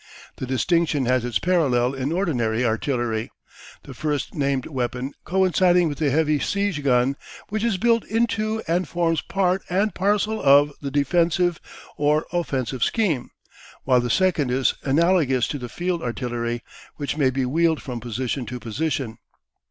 The distinction has its parallel in ordinary artillery, the first named weapon coinciding with the heavy siege gun, which is built into and forms part and parcel of the defensive or offensive scheme, while the second is analogous to the field artillery, which may be wheeled from position to position.